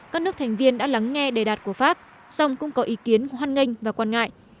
các nước thành viên đã lắng nghe đề đạt của pháp song cũng có ý kiến hoan nghênh và quan ngại